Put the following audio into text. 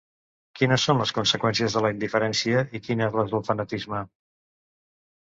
Quines són les conseqüències de la indiferència, i quines les del fanatisme?